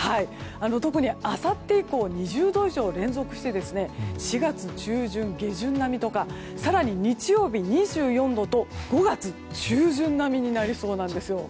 特にあさって以降２０度以上が連続して４月中旬、下旬並みとか更に日曜日、２４度と５月中旬並みになりそうです。